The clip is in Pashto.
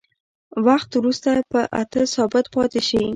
وخت وروسته په اته ثابت پاتې شي.